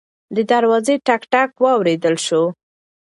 د دروازې ټک ټک واورېدل شو.